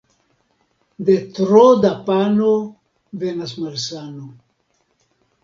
De tro da pano venas malsano.